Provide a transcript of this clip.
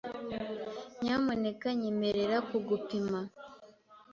Nyamuneka nyemerera kugupima .